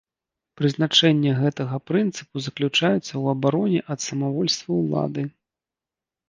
Прызначэнне гэтага прынцыпу заключаецца ў абароне ад самавольства ўлады.